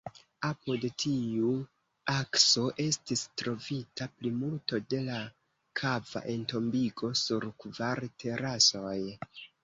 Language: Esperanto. Apud tiu akso estis trovita plimulto de la kava entombigo, sur kvar terasoj.